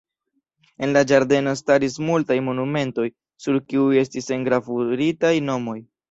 En la ĝardeno staris multaj monumentoj, sur kiuj estis engravuritaj nomoj.